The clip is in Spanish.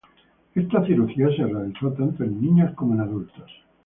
Esta cirugía se realiza tanto en niños como en adultos.